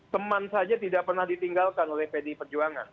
teman saja tidak pernah ditinggalkan oleh pdi perjuangan